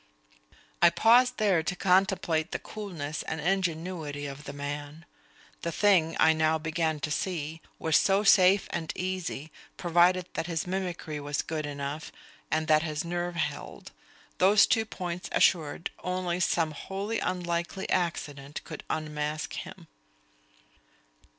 I paused there to contemplate the coolness and ingenuity of the man. The thing, I now began to see, was so safe and easy, provided that his mimicry was good enough, and that his nerve held. Those two points assured, only some wholly unlikely accident could unmask him.